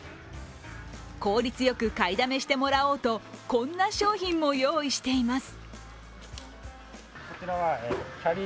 効率よく買いだめしてもらおうとこんな商品も用意しています。